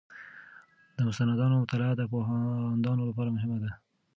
د مستنداتو مطالعه د پوهاندانو لپاره مهمه ده.